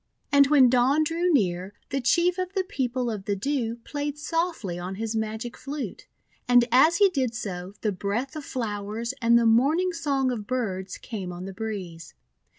And when Dawn drew near, the Chief of the People of the Dew played softly on his magic flute; and as he did so, the breath of flowers and the morning song of birds came on the breeze.